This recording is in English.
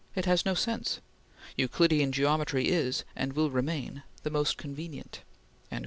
It has no sense!... Euclidian Geometry is, and will remain, the most convenient."